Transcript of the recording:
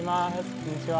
こんにちは。